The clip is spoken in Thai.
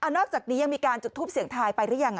นอกจากนี้ยังมีการจุดทูปเสียงทายไปหรือยัง